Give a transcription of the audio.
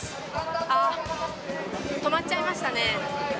あ、止まっちゃいましたね。